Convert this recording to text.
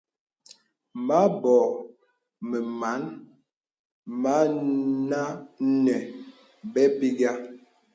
Mə̀bɔ̀ mə màn mə nə́ nə̀ bèpìghə̀.